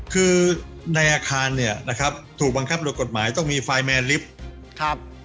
คือในอาคารถูกบังคับโดยกฎหมายต้องมีไฟล์แมนลิฟต์